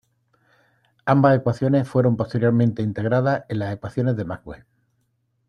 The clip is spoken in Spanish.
Ambas ecuaciones fueron posteriormente integradas en las ecuaciones de Maxwell.